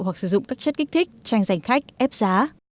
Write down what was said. hoặc sử dụng các chất kích thích tranh giành khách ép giá